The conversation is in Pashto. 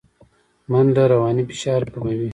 منډه د رواني فشار کموي